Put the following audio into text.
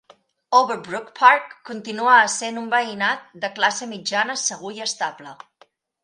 Overbrook Park continua essent un veïnat de classe mitjana segur i estable.